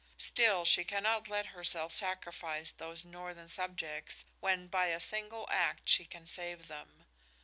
Still she cannot let herself sacrifice those northern subjects when by a single act she can save them.